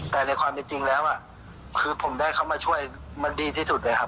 แต่ในความเป็นจริงแล้วคือผมได้เข้ามาช่วยมันดีที่สุดเลยครับ